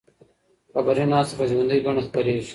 خبري ناسته په ژوندۍ بڼه خپریږي.